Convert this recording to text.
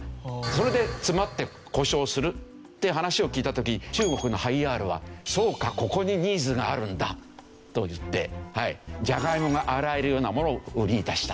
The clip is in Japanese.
それで詰まって故障するって話を聞いた時中国のハイアールは「そうかここにニーズがあるんだ！」といってジャガイモが洗えるようなものを売り出したという。